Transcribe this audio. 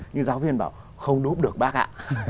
nhưng giáo viên bảo không đúp được bác ạ